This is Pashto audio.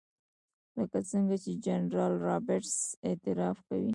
لکه څنګه چې جنرال رابرټس اعتراف کوي.